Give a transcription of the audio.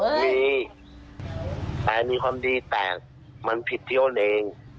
มีแต่มีความดีแต่มันผิดที่โอนเอง